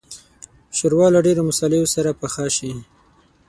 ښوروا له ډېرو مصالحو سره پخه شي.